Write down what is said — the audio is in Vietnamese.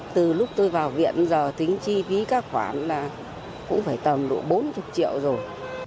từ lúc tôi vào viện giờ tính chi phí các khoản là cũng phải tầm độ bốn mươi triệu rồi